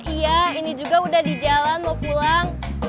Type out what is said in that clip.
iya ini juga udah di jalan mau pulang